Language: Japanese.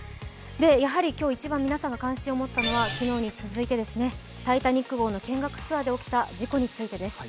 今日一番皆さんが関心を持ったのは、昨日に続いて、「タイタニック」号の見学ツアーで起きた事故についてです。